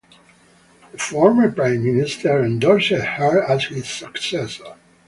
The former prime minister endorsed her as his successor.